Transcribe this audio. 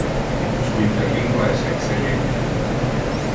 Su Interlingua es excellente.